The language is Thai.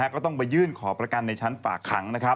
ก็ต้องไปยื่นขอประกันในชั้นฝากขัง